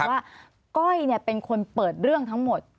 ว่าก้อยเป็นคนเปิดเรื่องทั้งหมด